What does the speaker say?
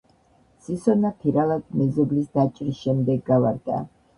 სისონა ფირალად მეზობლის დაჭრის შემდეგ გავარდა.